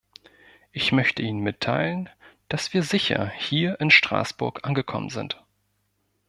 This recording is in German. Ich möchte Ihnen mitteilen, dass wir sicher hier in Straßburg angekommen sind.